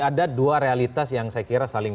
ada dua realitas yang saya kira saling